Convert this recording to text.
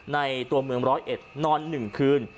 ในตัวเมือง๑๐๑นอน๑คืน